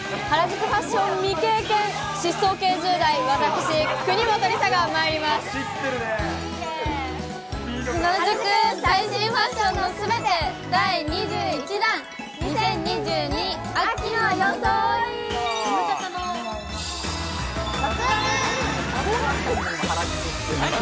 原宿最新ファッションのすべて第２１弾、２０２２秋の装い。